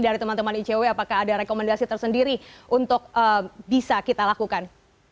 dari teman teman icw apakah ada rekomendasi tersendiri untuk bisa kita lakukan